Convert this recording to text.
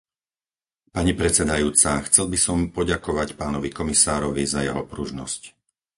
Pani predsedajúca, chcel by som poďakovať pánovi komisárovi za jeho pružnosť.